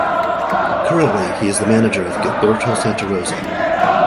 Currently, he is the manager of Gilberto Santa Rosa.